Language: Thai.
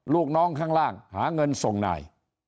ลูกน้องข้างล่างหาเงินส่งนาย